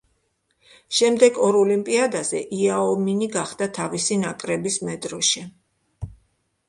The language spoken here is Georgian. შემდეგ ორ ოლიმპიადაზე იაო მინი გახდა თავისი ნაკრების მედროშე.